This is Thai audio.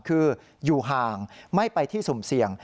คืออยู่ห่างไม่ไปที่สุ่มเสี่ยง